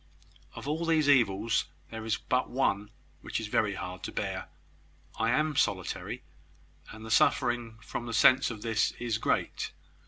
"Of all these evils, there is but one which is very hard to bear. I am solitary; and the suffering from the sense of this is great.